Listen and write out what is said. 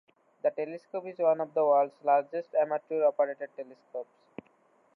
The telescope is one of the world's largest amateur operated telescopes.